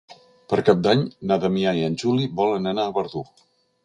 Per Cap d'Any na Damià i en Juli volen anar a Verdú.